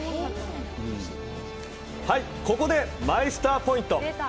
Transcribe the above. はいここでマイスターポイント